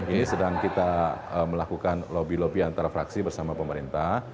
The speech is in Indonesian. ini sedang kita melakukan lobby lobby antara fraksi bersama pemerintah